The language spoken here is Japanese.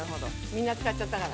みんな使っちゃったから。